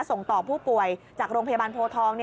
ส่งต่อผู้ป่วยจากโรงพยาบาลโพทอง